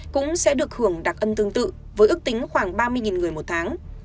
cũng sẽ được hưởng đặc âm tương tự với ước tính khoảng ba mươi người một tháng